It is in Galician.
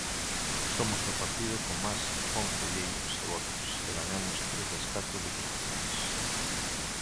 "Somos o partido con máis concelleiros e votos, e gañamos tres das catro deputacións".